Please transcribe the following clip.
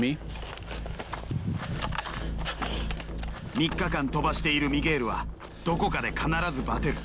３日間飛ばしているミゲールはどこかで必ずバテる。